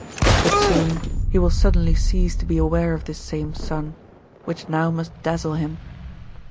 But soon he will suddenly cease to be aware of this same sun, which now must dazzle him.